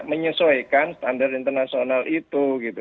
menyesuaikan standar internasional itu